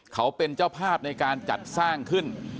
เขาเป็นเจ้าภาพในการจัดสร้างขึ้น